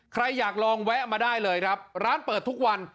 ใครอยากลองแวะมาได้เลยครับร้านเปิดทุกวัน